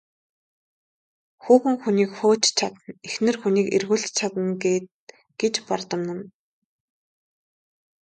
Хүүхэн хүнийг хөөж ч чадна, эхнэр хүнийг эргүүлж ч чадна гээд гэж бардамнана.